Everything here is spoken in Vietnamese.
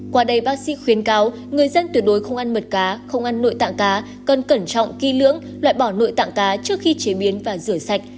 qua đây bác sĩ khuyến cáo người dân tuyệt đối không ăn mật cá không ăn nội tạng cá cần cẩn trọng kỹ lưỡng loại bỏ nội tạng cá trước khi chế biến và rửa sạch